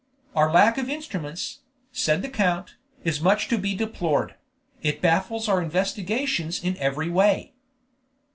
"Our lack of instruments," said the count, "is much to be deplored; it baffles our investigations in every way."